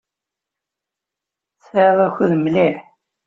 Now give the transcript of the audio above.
Tesɛiḍ akud mliḥ.